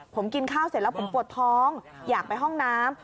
ผมกินข้าวเสร็จแล้วผมปวดท้องอยากไปห้องน้ำ